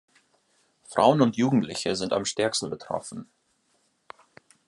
Frauen und Jugendliche sind am stärksten betroffen.